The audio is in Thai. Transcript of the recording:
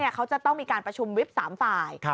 เขาจะต้องมีการประชุมวิบ๓ฝ่าย